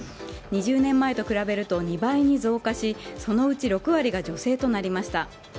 ２０年前と比べると２倍に増加しそのうち６割が女性となりました。